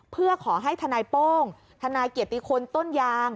เพื่อขอให้ทนายโป้งทนายเกียรติคนต้นยาง